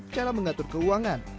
cara mengatur keuangan